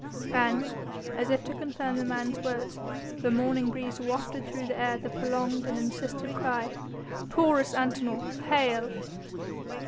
And as if to confirm the man's words, the morning breeze wafted through the air the prolonged and insistent cry: "Taurus Antinor! Hail!"